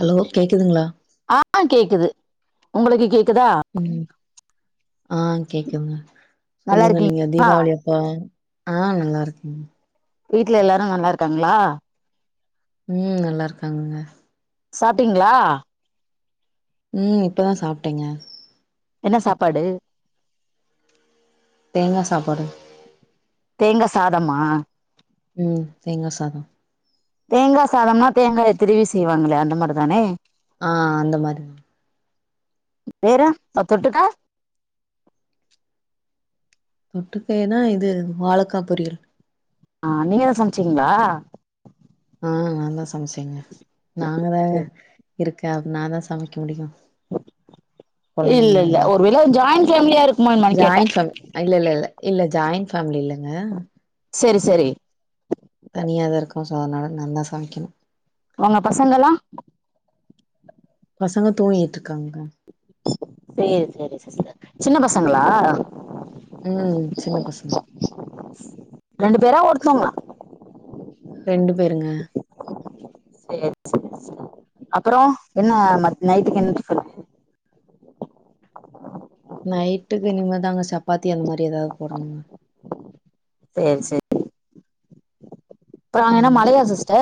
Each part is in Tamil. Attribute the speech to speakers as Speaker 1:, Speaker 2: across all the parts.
Speaker 1: ஹலோ கேட்குதுங்களா
Speaker 2: ஆ கேக்குது உங்களுக்கு கேக்குதா
Speaker 1: ம் ஆ கேட்குதுங்க
Speaker 2: நல்லா
Speaker 1: சொல்லுங்க நீங்க
Speaker 2: இருக்கீங்களா
Speaker 1: தீபாவளியப் அ ஆ நல்லா இருக்கேங்க
Speaker 2: வீட்டு்ல எல்லாரு நல்லா இருக்காங்களா
Speaker 1: ம் நல்லா இருக்காங்கங்க
Speaker 2: சாப்பிட்டீங்களா
Speaker 1: ம் இப்போதா சாப்டேங்க
Speaker 2: என்ன சாப்பாடு
Speaker 1: தேங்கா சாப்பாடு
Speaker 2: தேங்க சாதம்மா
Speaker 1: உம் தேங்கா சாதோ
Speaker 2: தேங்கா சாதோம்னா தேங்கவ திருவி செய்வாங்களே அந்த மாரி தானே
Speaker 1: ஆ அந்த மாரி தா
Speaker 2: வேற ஆ தொட்டுக்கா
Speaker 1: தொட்டுக்கைனா இது வாழக்கா பொரியல்
Speaker 2: ஆ நீங்க தா சமைச்சீங்ளா
Speaker 1: ஆ நா தா சமைச்சேங்க நாங்க த இருக்கே அத நா தா சமைக்க முடியு
Speaker 2: இல்ல
Speaker 1: கொழந்தைங்க
Speaker 2: இல்ல ஒர்
Speaker 1: எல்லாத்துக்கு
Speaker 2: வேல ஜாயிண்ட் ஃபேமலியா இருக்குமொன் கேட்டே
Speaker 1: ஆ இல்ல இல்ல இல்ல ஜாயின் ஃபேம்மிலி இல்லங்க
Speaker 2: செரி செரி
Speaker 1: தனியா தா இருக்கோ சோ அதனால நா தா சமைக்கணு
Speaker 2: ஒங்க பசங்க எல்லா
Speaker 1: பசங்க தூங்கிட்டு இருக்காங்கங்க
Speaker 2: சேரி சேரி சிஸ்டர் சின்ன பசங்களா
Speaker 1: உம் சின்ன பசங்க
Speaker 2: ரெண்டு பேரா ஒர்த்தவங்களா
Speaker 1: ரெண்டு பேருங்க
Speaker 2: சேரி சேரி சேர் அப்புறோ என்ன நைட்டுக்கு என்ன ஃடிபென்
Speaker 1: நைட்டுக்கு இனிமே தாங்க சப்பாத்தி அது மாரி ஏதாது போடணுங்க
Speaker 2: சேர் செரி அப்புறோ என்ன
Speaker 1: ம்
Speaker 2: மழையா சிஸ்டே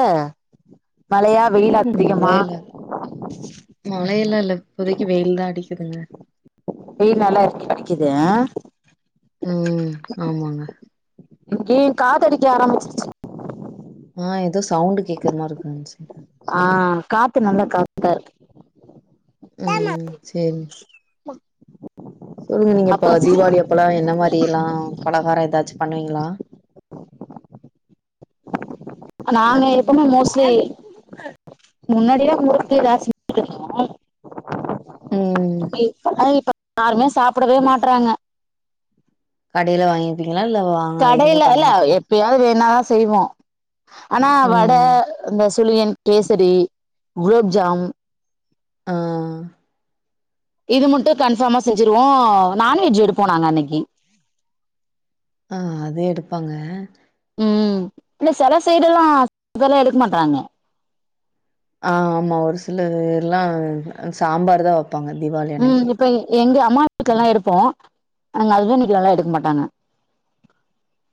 Speaker 2: மழையா வெயில்லா அதிகமா
Speaker 1: மழை எல்லா இல்ல இப்போதைக்கு வெயில் தா அடிக்குதுங்க
Speaker 2: வெயில் நல்லா இருக்கி அடிக்குது
Speaker 1: உம் ஆமாங்க
Speaker 2: இங்கியு காத்தடிக்க ஆரம்பிச்சிருச்சு
Speaker 1: ஆ ஏதோ சவுண்டு கேக்குற மாரி இருக்குன்னு சொன்ன
Speaker 2: ஆ காத்து நல்லா காத்தா இருக்கு
Speaker 1: உம் சேரி உம் நீங்க இப்ப
Speaker 2: அப்ப
Speaker 1: தீபாவளி அப்பல்லா என்ன மாரி எல்லா பலகார ஏதாச்சு பண்ணுவீங்களா
Speaker 2: நாங்க எப்பவுமே மோஸ்ட்லி முன்னாடி எல்லா முறுக்கு எதா சுட்டு தருவோ
Speaker 1: ம்
Speaker 2: இப்ப எல்லா யாருமே சாப்டவே மாட்றாங்க
Speaker 1: கடயில்ல வாங்கிப்பீங்களா இல்ல வாங்
Speaker 2: கடயில்ல இல்ல எப்பயாவுது வேணா செய்வோ ஆனா வட
Speaker 1: ம்
Speaker 2: இந்த சுழியன் கேசடி ஃகுலோப்ஜாம்
Speaker 1: ஆ
Speaker 2: இது மட்டு கன்ஃபார்மா செஞ்சுருவோ நான்வெஜ் எடுப்போ நாங்க அன்னைக்கி
Speaker 1: ஆ அது எடுப்பாங்க
Speaker 2: உம் இல்ல செல சைடு எல்லா இது எல்லா எடுக்க மாட்றாங்க
Speaker 1: ஆ ஆமா ஒரு சில இதெல்லா சாம்பார் தான் வப் பாங்க தீபாளி
Speaker 2: உம் இப்ப எங்க அம்மா வீட்க்கு எல்லா எடுப்போ எங்க ஹஸ்பண்ட் வீட்லல்லா எடுக்க மாட்டாங்க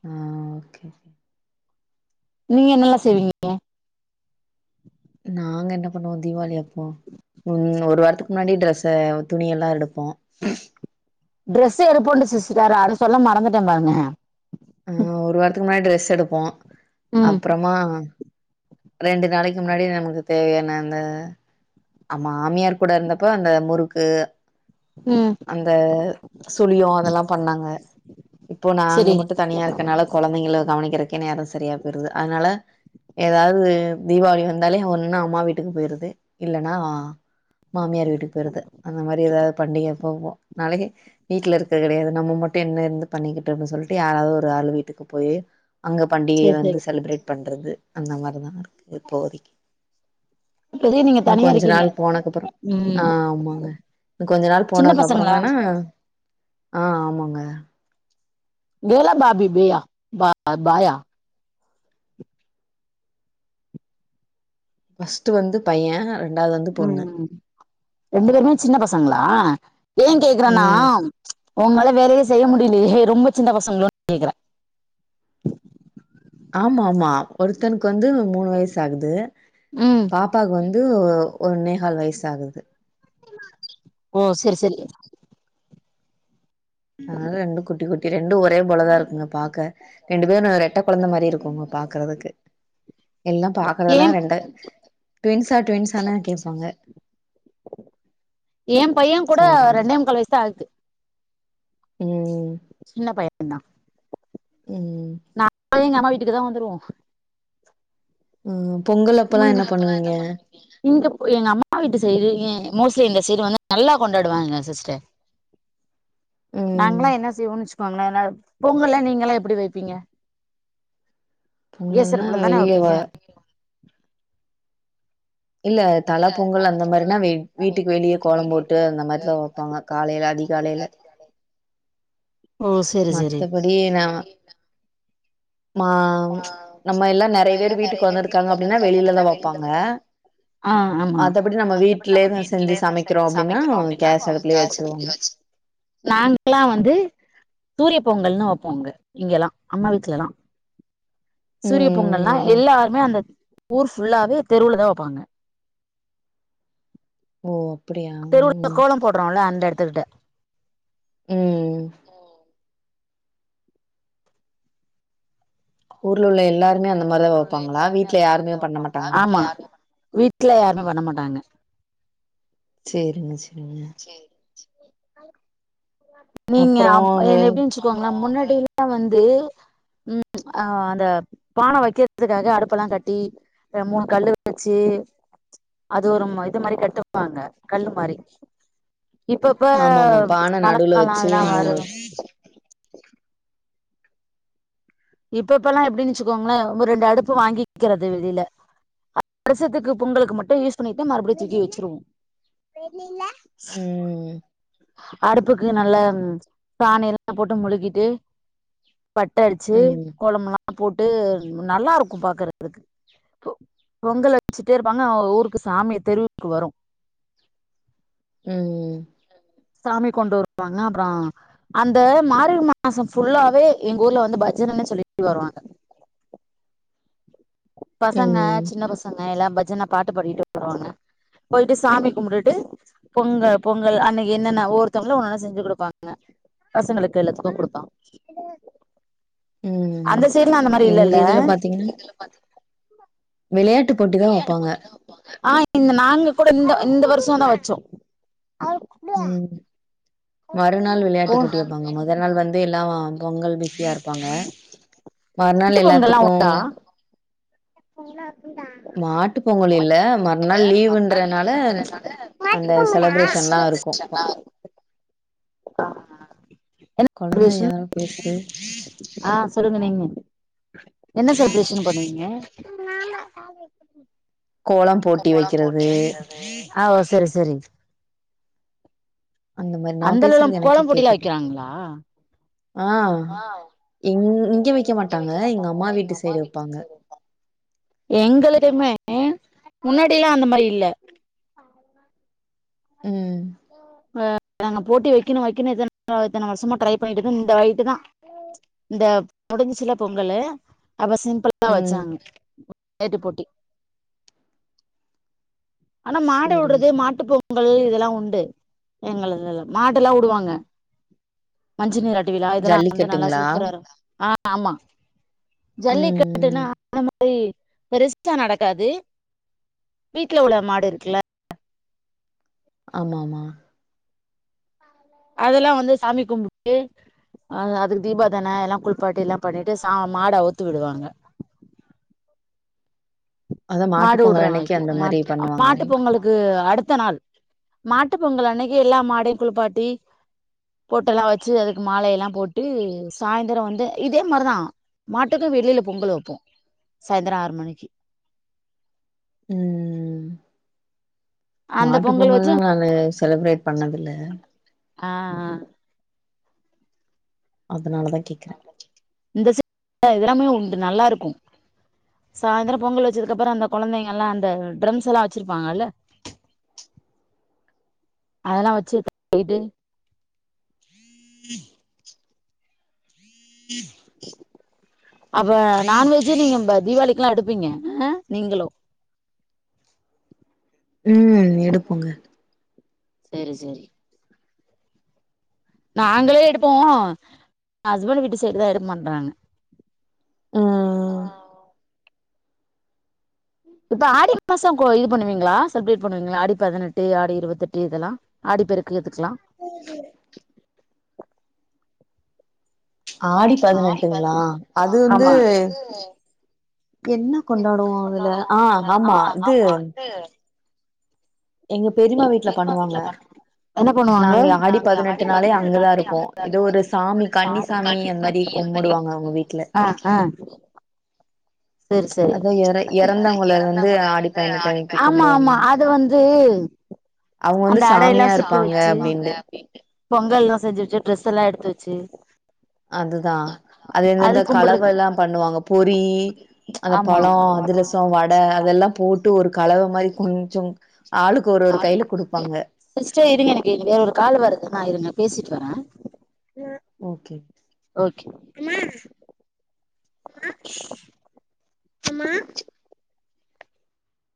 Speaker 1: ஆ ஓகே
Speaker 2: நீங்க என்ன எல்லா செய்வீங்க
Speaker 1: நாங்க என்ன பண்ணுவோ தீவாளி அப்போ ம் ஒரு வாரத்துக்கு முன்னாடி ட்ரெஸ்ஸ துணி எல்லா எடுப்போ
Speaker 2: டிரெஸ்ஸ எடுப்போண்டு சிஸ்டர் அத சொல்ல மறந்துட்ட பாருங்க
Speaker 1: ஆ ஒரு வாரத்துக்கு முன்னாடி ட்ரெஸ் எடுப்போ
Speaker 2: ம்
Speaker 1: அப்றமா ரெண்டு நாளைக்கு முன்னாடி நமக்கு தேவையான அந்த ஆ மாமியார் கூட இருந்தப்ப அந்த முறுக்கு
Speaker 2: ம்
Speaker 1: இந்த சுழியோ அதெல்லா பண்ணாங்க இப்போ நாங்க
Speaker 2: செரி
Speaker 1: மட்டு தனியா இருக் க்கனால கொழந்தைங்கல கவனிக்கிறக்கே நேரோ சரியா பேருது அதனால ஏதாது து தீபாவளி வந்தாலே ஒன்னு அம்மா வீட்டுக்கு போயிறது இல்லன்னா மாமியார் வீட்டுக்கு போயிறது அந்த மாரி ஏதாவது பண்டிகை போவோ நாளைக்கு வீட்ல இருக்க கெடையாது நம்ம மட்டு என்ன இருந்து பண்ணிக்கிட்டு அப்டின்னு சொல்லிட்டு யாராவது ஒரு ஆளு வீட்டுக்கு போயி அங்க பண்டிகைய
Speaker 2: செரி
Speaker 1: வந்து
Speaker 2: செரி
Speaker 1: செளிப்ரட் பண்றது அந்த மாரிதா இருக்கு இப்போதைக்கு
Speaker 2: இப்பதே நீங்க
Speaker 1: இன்னு
Speaker 2: தனியா
Speaker 1: கொஞ்ச
Speaker 2: இருக்கீங்க
Speaker 1: நாள் போனக்ப்றோ ஆ
Speaker 2: ம்
Speaker 1: ஆமாங்க இன்னு கொஞ்ச நாள்
Speaker 2: சின்ன பசங்களா
Speaker 1: போனக்கப்றமேனா ஆ ஆமாங்க
Speaker 2: கேள்லா பாபிபியா பா பாயா
Speaker 1: ஃபர்ஸ்டு வந்து பைய
Speaker 2: ம் ரெண்டு பேருமே சின்ன பசங்களா ஏ கேக்குறன்னா
Speaker 1: ம்
Speaker 2: உங்களால வேலையே செய்ய முடிலையே ரொம்ப சின்ன பசங்களோன் கேக்குற
Speaker 1: ஆமாமா ஒருத்தனுக்கு வந்து மூணு வயசாகுது
Speaker 2: ம்
Speaker 1: பாப்பாவுக்கு வந்து ஒன்னேகால் வயசாகுது
Speaker 2: ஓ சரி சரி
Speaker 1: அதனால ரெண்டு குட்டி குட்டி ரெண்டு ஒரே போலதா இருக்குங்க பாக்க ரெண்டு பேரு ரெட்ட கொழந்த மாரி இருக்குங்க பாக்க கறதுக்கு எல்லா
Speaker 2: ஏ
Speaker 1: பாக்குறதெல்லா ரெண்டு ட்வின்ஸா டவின்ஸானே கேப்பாங்க
Speaker 2: ஏ பைய
Speaker 1: சோ
Speaker 2: கூட
Speaker 1: அந்த மாரி
Speaker 2: ரெண்டே முக்கால் வயசுதா ஆது
Speaker 1: ம்
Speaker 2: சின்ன பையந் தா
Speaker 1: ம்
Speaker 2: நாங்களு எங்க அம்மா வீட்டுக்கு தா வந்துருவோ
Speaker 1: ம் பொங்கலா
Speaker 2: ம் பொங்கல் அப்பல்லா என்ன பண்ணுவீங்க இங்க எங்க அம்மா வீட்டு சைடு மோஸ்ட்லி இந்த சைடு வந்து நல்லா கொண்டாடுவாங்க சிஸ்டர்
Speaker 1: ம்
Speaker 2: நாங்கலா என்ன செய்வோன் வச்சிக்கோங்கள நா பொங்கல்லா நீங்கலா எப்படி வைப்பீங்க கேஸ்
Speaker 1: பொங்கல்னா
Speaker 2: அடுப்புல தான
Speaker 1: வெளிய வ
Speaker 2: வைப்பீங்க [unintelligible]
Speaker 1: இல்ல தல பொங்கல் அந்த மாரினா வீ வீட்டுக்கு வெளிய கோலோ போட்டு அந்த மாரிதா வெப்பாங்க காலைல அதிகாலைல
Speaker 2: ஓ செரி செரி
Speaker 1: மத்தபடி நா நா ம் நம்ம எல்லா நெறைய வேர் வீட்டுக்கு வந்துருக்காங்க அப்டின்னா வெளிலதா வப்பாங்க
Speaker 2: ஆ ஆமா
Speaker 1: மத்தபடி நம்ம வீட்லயே தான் செஞ்சு சமைக்கிறோம் அப்டின்னா, கேஸ் அடுப்புலயே வச்சுருவாங்க.
Speaker 2: நாங்கல்லா வந்து சூரிய பொங்கல்னு வெப்போ அங்க இங்கல்லா அம்மா வீட்லலா சூரிய
Speaker 1: ம்.
Speaker 2: பொங்கல்னா
Speaker 1: அதான்.
Speaker 2: எல்லாருமே அந்த ஊர் ஃபுல்லாவே தெருவுலதா வைப்பாங்க
Speaker 1: ஓ அப்படியா ம்
Speaker 2: போட்றோல்ல அந்த எடத்துகிட்ட
Speaker 1: ம் ஊர்ல உள்ள எல்லாருமே அந்த மாரிதா
Speaker 2: ஊர்ல உள்ள
Speaker 1: வப்பாங்களா
Speaker 2: எல்லாருமே
Speaker 1: வீட்டுல
Speaker 2: அந்த
Speaker 1: யாருமே பண்ண மாட்டாங்களா
Speaker 2: ட்டுல யாருமே பண்ண மாட்டாங்க
Speaker 1: சேரிங்க செரிங்க
Speaker 2: சேரி சேரி நீங்க
Speaker 1: அப்புறம்
Speaker 2: அப்
Speaker 1: அந்த
Speaker 2: என்ன எப்டின் வெச்சிக்கோங்களா முன்னாடில வந்து ம் அந்த பானை வெக்கிறதுக்காக அடுப்பெல்லா கட்டி மூணு கல்லு வெச்சி அது ஒரும் இது மாரி கட்டுவாங்க கல்லு மாரி இப்பப்ப
Speaker 1: ஆமாமா. பான நடுவுல
Speaker 2: மழக்காலோ
Speaker 1: வச்சு
Speaker 2: அதெல்லா வருது இப்ப இப்பெல்லா எப்டின் வெச்சிக்கோங்களே மோ ரெண்டு அடுப்பு வாங்கிக்கிறது வெளில அ வருசத்துக்கு பொங்களுக்கு மட்டு யூஸ் பண்ணிட்டு மறுபடியு தூக்கி வெச்சிருவோ
Speaker 1: ம்.
Speaker 2: அடுப்புக்கு நல்ல சாணி எல்லா போட்டு மொழுகிட்டு பட்ட அடிச்சி
Speaker 1: ம்.
Speaker 2: கோலம்லா போட்டு நல்லா இருக்கும் பாக்குறதுக்கு பொங்கல் வெச்சிட்டே இருப்பாங்க ஊருக்கு சாமி தெருவுக்கு வரும்
Speaker 1: ம்ம்
Speaker 2: சாமி கொண்டு வருவாங்க அப்பறோ அந்த மார்கழி மாசோ ஃபுல்லாவே எங்க ஊர்ல வந்து பஜன சொல்லிட்டு வருவாங்க பசங்க
Speaker 1: ம்.
Speaker 2: சின்ன பசங்க எல்லா பஜன பாட்டு பாடிட்டு வருவாங்க போயிட்டு சாமி கும்பிட்டுட்டு பொங்க பொங்கல் அன்னைக்கு என்னன்ன ஒவ்வொருத்தங்களும் ஒன்னொன்னு செஞ்சு குடுப்பாங்க பசங்களுக்கு எல்லாத்துக்கு குடுப்பாங்க
Speaker 1: ம்.
Speaker 2: அந்த சைட்லா அந்த மாரி
Speaker 1: எங்க
Speaker 2: இல்லல்ல
Speaker 1: இதுல பாத்தீங்கன்னா, விளையாட்டு போட்டி தா வெப்பாங்க
Speaker 2: ஆஹ் இந்த நாங்க கூடோ இந்த இந்த வர்ஷோந்தா வச்சோ ஆ
Speaker 1: ம் மறுநாள் விளையாட்டு
Speaker 2: ஓ
Speaker 1: போட்டி வப்பாங்க மறு பெருநாள் வந்து எல்லா பொங்கல் பிஸியா இருப்பாங்க மறுநாள்
Speaker 2: வீட்டு
Speaker 1: எல்லாத்துக்கு
Speaker 2: மாட்டு ப் போல
Speaker 1: மறுநாள்
Speaker 2: மறுநாள்
Speaker 1: லீவுன்றனால
Speaker 2: லீவுன்றனால
Speaker 1: அந்த செலிப்ரேஷன்ல்லா இருக்கு
Speaker 2: [unintelligible] ஹாஹா
Speaker 1: கொழந்தை ஏதோ பேஸ்து
Speaker 2: ஆஹ் சொல்லுங்க நீங்க என்ன செலிப்ரேஷன் பண்ணுவீங்க
Speaker 1: கோலம் போட்டி வெக்கிறது
Speaker 2: ஹ் ஓ செரி செரி
Speaker 1: அந்த மாரி நா
Speaker 2: அந்தளவுலாம்
Speaker 1: பேசுறது எனக்கே
Speaker 2: கோலம் போட்டிலாம்
Speaker 1: கேக்குது
Speaker 2: வைக்கிறாங்களா
Speaker 1: ஆஹ் எங் இங்க வெக்க மாட்டாங்க எங்க அம்மா வீட்டு சைடு வெப்பாங்க
Speaker 2: எங்களுக்குமே முன்னாடியெல்லா அந்த மாரி இல்ல
Speaker 1: உம்
Speaker 2: ஹ நாங்க போட்டி வெக்கணு வெக்கணு எத்தன எத்தன வருஷமா ட்ரை பண்ணிட்டு இருக்க இந்த [unintelligible] தா இந்த முடிஞ்சில்ல பொங்கலு அப்ப சிம்பிளா
Speaker 1: ம்
Speaker 2: வெச்சாங்க விளயாட்டு போட்டி ஆனா மாடு
Speaker 1: சேரிங்க
Speaker 2: வுட்றது
Speaker 1: சேரி
Speaker 2: மாட்டு பொங் பொங்கல் இதெல்லா உண்டு, எங்களுதுல மாடுல்லா வுடுவாங்க மஞ்சுநீராட் டு விழா இதெல்லா வந்து நல்லா
Speaker 1: ஜல்லிக்கட்டுங்களா
Speaker 2: சூப்பரா இருக்கு, ஆ, ஆமா
Speaker 1: ம்
Speaker 2: ஜல்லிக்கட்டுனா
Speaker 1: ம்
Speaker 2: அந்த மாரி பெருசா நடக்காது வீட்ல உள்ள மாடு இருக்குல
Speaker 1: ஆமாமா
Speaker 2: அதெல்லா வந்து சாமி கும்பிட்டு அ அதுக்கு தீபாரதன எல்லா குளிபாட்டி எல்லா பண்ணிட்டு ச மாட அவுத்து விடுவாங்க
Speaker 1: அதா மாட்டு
Speaker 2: மாடு வுடுற
Speaker 1: பொங்கல் அன்னைக்கு
Speaker 2: அன்னைக்கி
Speaker 1: அந்த
Speaker 2: மா
Speaker 1: மாரி பண்ணுவாங்க
Speaker 2: மாட்டு பொங்கலுக்கு அடுத்த நாள் மாட்டு பொங்கல் அன்னைக்கி எல்லா மாடயு குளிப்பாட்டி பொட்டெல்லா வச்சு அதுக்கு மாலையெல்லா போட்டு சாயந்தர வந்து இதே மாரிதா மாட்டுக்கு வெளியில பொங்கல் வைப்போ சாயந்தர ஆறு மணிக்கு
Speaker 1: ம்
Speaker 2: அந்த
Speaker 1: மாட்டு
Speaker 2: பொங்கல் வச்சு
Speaker 1: பொங்கல்லா நாங்க செலிப்ரேட் பண்ணதுதில்ல
Speaker 2: ஆ ஆ
Speaker 1: அதனாலதா கேக்குற
Speaker 2: இந்த சைடுல இதல்லாமே உண்டு நல்லா இருக்கு சாயந்தரோ பொங்கல் வச்சதுக்கு அப்பறோ அந்த கொழந்தைங்க எல்லா அந்த டிரம்ஸ் எல்லா வச்சிருப்பாங்கல்ல
Speaker 1: ம்
Speaker 2: அதெல்லா வச்சு போயிட்டு
Speaker 1: ஹ [unintelligible]
Speaker 2: அப்ப நான்வெஜ்ஜு நீங்க ப தீபாளிக்குல்லா எடுப்பீங்க அ நீங்களு
Speaker 1: ம் எடுப்போங்க
Speaker 2: செரி செரி நாங்களே எடுப்போ ஹஸ்பண்ட் வீட்டு சைடுதா எடுக்க மாட்றாங்க
Speaker 1: ஆ
Speaker 2: இப்ப ஆடி மாசோ கோ இது பண்ணுவீங்ளா செலிப்ரேட் பண்ணுவீங்ளா ஆடி பதினெட்டு ஆடி இருபத்தெட்டு இதெல்லா ஆடி பெருக்கு இதுக்குலா
Speaker 1: ஆடி பதினெட்டுங்ளா அது வந்து
Speaker 2: ஆமா
Speaker 1: என்ன கொண்டாடுவோ அதுல ஆ, ஆமா அது எங்க பெரிம்மா வீட்ல பண்ணுவாங்க
Speaker 2: என்ன பண்ணுவாங்க
Speaker 1: நாங்க ஆடி பதினெட்டுனாலே அங்கதா இருப்போ, ஏதோ ஒரு சாமி கன்னி சாமி அந்த மாரி கும்பிடுவாங்க அவங்க வீட்ல
Speaker 2: ஆ ஆ செரி, செரி,
Speaker 1: அதா எற இறந்தவங்கள வந்து ஆடி பதினெட்டு அன்னைக்கு
Speaker 2: ஆமா
Speaker 1: கும்பிடுவாங்க.
Speaker 2: ஆமா அது வந்து
Speaker 1: அவங்க வந்து
Speaker 2: அந்த அடை எல்லா
Speaker 1: சாமியா
Speaker 2: சுட்டு
Speaker 1: இருப்பாங்க
Speaker 2: வச்சு
Speaker 1: அப்டின்ட்டு.
Speaker 2: பொங்கல்லா செஞ்சுவச்சு ட்ரெஸ் எல்லா எடுத்து வச்சு
Speaker 1: அதுதா அது இந்தெந்த கலவலா பண்ணுவாங்க பொரி அந்த
Speaker 2: ஆமா
Speaker 1: பழோ
Speaker 2: ஆமா
Speaker 1: அதிரசோ வடை அதெல்லா போட் டு ஒரு கலவ மாரி குமிச்சு ஆளுக்கு ஒரு ஒரு கைல குடுப்பாங்க
Speaker 2: சிஸ்டர் இருங்க எனக்கு வேற ஒரு கால் வருது நா இருங்க பேசிட்டு வரே
Speaker 1: ஓகே
Speaker 2: ஓகே அச்சு அம்மா